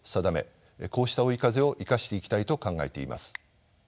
こうした追い風を生かしていきたいと考えています。